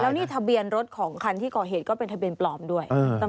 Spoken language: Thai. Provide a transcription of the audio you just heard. นี่ทะเบียนรถของคันที่ก่อเหตุก็เป็นทะเบียนปลอมด้วย